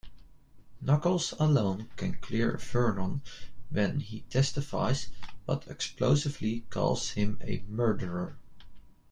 Nuckles alone can clear Vernon when he testifies, but explosively calls him a murderer.